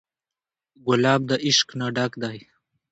ګلاب د عشق نه ډک دی.